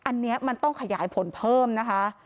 อันนี้มันต้องขยายผลเพิ่มนะคะ